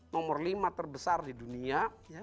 nomor lima terbesar di dunia